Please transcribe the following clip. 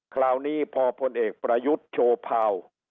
คราวนี้พอพลเอกประยุทธ์โชพาว